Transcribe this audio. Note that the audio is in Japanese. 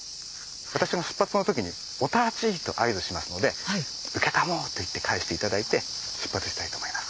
私が出発の時に「お立ち」と合図しますので「うけたもう」と言って返していただいて出発したいと思います。